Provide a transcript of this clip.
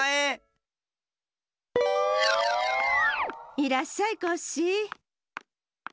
いらっしゃいコッシー。